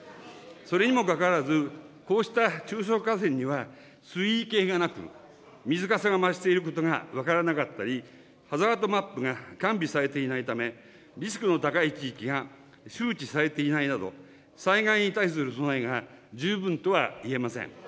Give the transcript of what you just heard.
それにもかかわらず、こうした中小河川には水位計がなく、水かさが増していることが分からなかったり、ハザードマップが完備されていないため、リスクの高い地域が周知されていないなど、災害に対する備えが十分とはいえません。